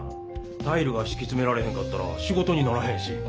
タイルがしきつめられへんかったら仕事にならへんし。